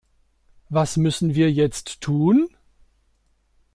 Was müssen wir jetzt tun?